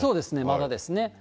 まだですね。